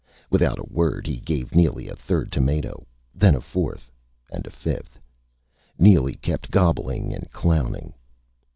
Without a word, he gave Neely a third tomato. Then a fourth and a fifth.... Neely kept gobbling and clowning.